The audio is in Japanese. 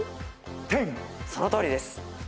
そのとおりです。